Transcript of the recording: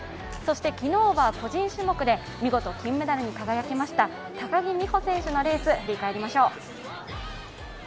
昨日は個人種目で見事、金メダルに輝きました高木美帆選手のレース、振り返りましょう。